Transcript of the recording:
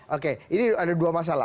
oke ini ada dua masalah